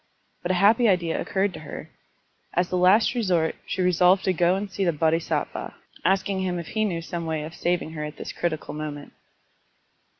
But a happy idea occurred to her. As the last resort she resolved to go and see the Bodhisattva, asking him if he knew some way of saving her at this critical moment.